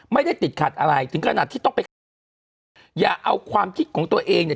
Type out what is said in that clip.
ไม่ได้ติดขัดอะไรถึงขนาดที่ต้องไปขัดขืนอย่าเอาความคิดของตัวเองเนี่ย